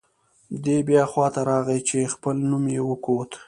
دی بیا خوا ته راغی چې خپل نوم یې وکوت.